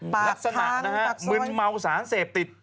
ปากทางปากซอยลักษณะมึนเมาสารเสพติด